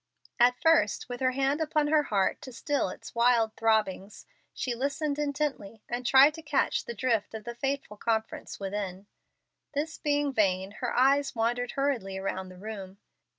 At first, with her hand upon her heart to still its wild throbbings, she listened intently, and tried to catch the drift of the fateful conference within. This being vain, her eyes wandered hurriedly around the room.